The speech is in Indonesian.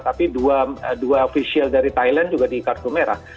tapi dua ofisial dari thailand juga di kartu merah